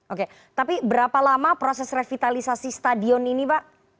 oke tapi berapa lama proses revitalisasi stadion ini pak